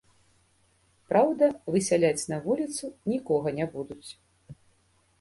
Праўда, высяляць на вуліцу нікога не будуць.